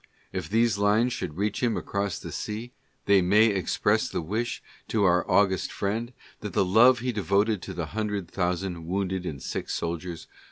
If these lines should reach him across the sea, they ??iay express the wish to our august friend that the love he devoted to the hundred thousand wounded and sick soldiers.